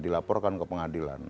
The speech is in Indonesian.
dilaporkan ke pengadilan